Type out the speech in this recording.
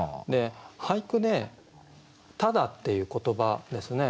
俳句で「ただ」っていう言葉ですね